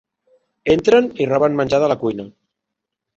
Entren i roben menjar de la cuina.